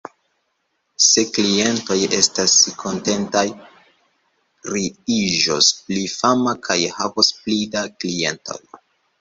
Se klientoj estas kontentaj, ri iĝos pli fama kaj havos pli da klientoj.